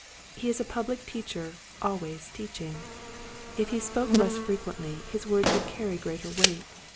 He is a public teacher always teaching. If he spoke less frequently his words would carry greater weight.